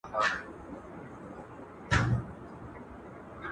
خو خپل ارزښت له لاسه نه ورکوي